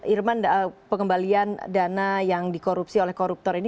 irman pengembalian dana yang dikorupsi oleh koruptor ini